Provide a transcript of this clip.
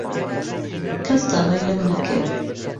کەس داوای لەو نەکرد.